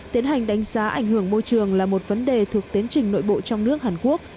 tiến hành đánh giá ảnh hưởng môi trường là một vấn đề thuộc tiến trình nội bộ trong nước hàn quốc